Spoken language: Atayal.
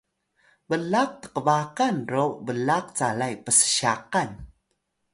blaq tqbaqan ro blaq calay pssyaqan